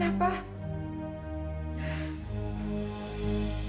saat awal aku hamil